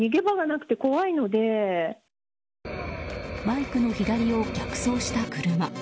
バイクの左を逆走した車。